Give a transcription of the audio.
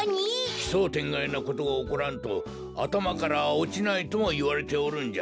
奇想天外なことがおこらんとあたまからおちないともいわれておるんじゃ。